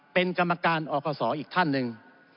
เป็นกรรมการอคศอีกท่านหนึ่ง